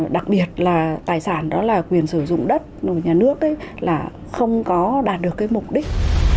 đặc biệt là tài sản đó là quyền sử dụng đất của nhà nước là không có đạt được cái mục đích